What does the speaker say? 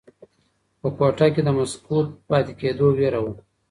په کوټه کې د مسکوت پاتې کېدو ویره وه.